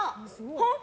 本当？